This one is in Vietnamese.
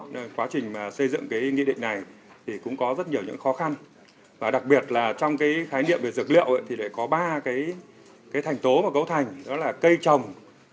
nên quá trình mà xây dựng cái nghị định này thì cũng có rất nhiều những khó khăn và đặc biệt là trong cái khái niệm về dược liệu thì lại có ba cái thành tố và cấu thành đó là cây trồng